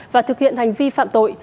và thực hiện hành vi phạm tội